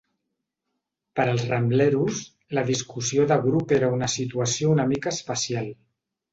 Per als Rambleros, la discussió de grup era una situació una mica especial.